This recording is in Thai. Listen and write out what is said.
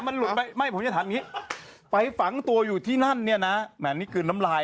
พลิกต๊อกเต็มเสนอหมดเลยพลิกต๊อกเต็มเสนอหมดเลย